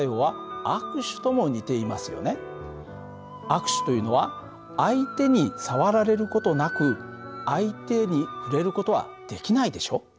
握手というのは相手に触られる事なく相手に触れる事はできないでしょ？